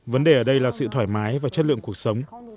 vấn đề ở đây là sự thoải mái và chất lượng cuộc sống